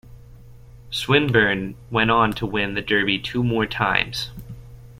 Swinburn went on to win the Derby two more times.